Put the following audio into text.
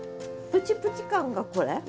プチプチ感がこれ？